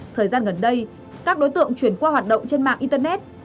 thời gian gần đây các đối tượng chuyển qua hoạt động trên mạng internet